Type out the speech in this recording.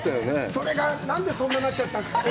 それが、何でそんななっちゃったんですか。